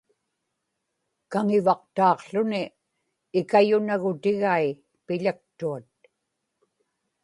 kaŋivaqtaaqłuni, ikayunagutigai piḷaktuat